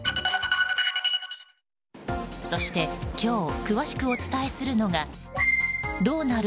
そして今日詳しくお伝えするのがどうなる？